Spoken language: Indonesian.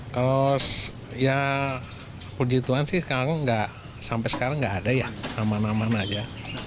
kalau ya perjituan sih sampai sekarang nggak ada ya aman aman aja